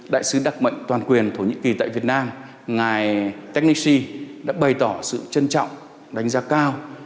đại sứ đặc mệnh toàn quyền thổ nhĩ kỳ tại việt nam ngài tetnessi đã bày tỏ sự trân trọng đánh giá cao